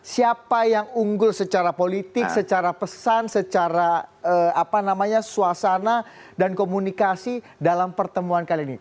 siapa yang unggul secara politik secara pesan secara apa namanya suasana dan komunikasi dalam pertemuan kali ini